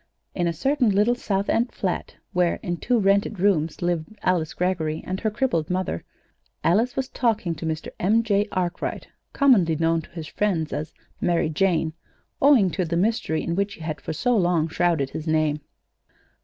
In a certain little South End flat where, in two rented rooms, lived Alice Greggory and her crippled mother, Alice was talking to Mr. M. J. Arkwright, commonly known to his friends as "Mary Jane," owing to the mystery in which he had for so long shrouded his name.